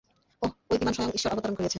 ওহ, ওই বিমান স্বয়ং ঈশ্বর অবতরণ করিয়েছে?